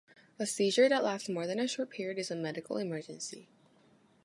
A seizure that lasts more than a short period is a medical emergency.